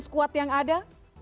sekuat yang ada